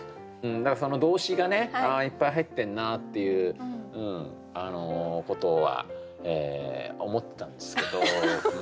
だからその動詞がねああいっぱい入ってんなっていうあのことはええ思ったんですけど。